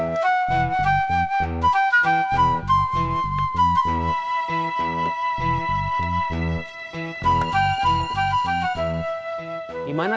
gimana tuh kehamilannya